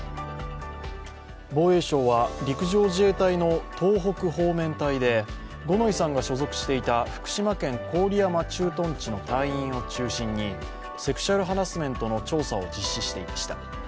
防衛省は陸上自衛隊の東北方面隊で五ノ井さんが所属していた福島県郡山駐屯地の隊員を中心にセクシュアル・ハラスメントの調査を実施していました。